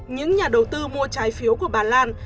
những nhà đầu tư mua trái phiếu của bà lan